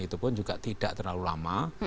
itu pun juga tidak terlalu lama